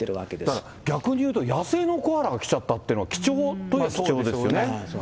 だから逆にいうと野生のコアラが来ちゃったってのは、貴重といえば貴重ですよね。